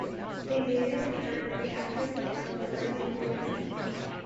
They later returned and captured the town, burning it to the ground.